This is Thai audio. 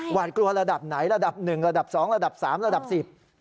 หวาดกลัวระดับไหนระดับหนึ่งระดับสองระดับสามระดับสิบ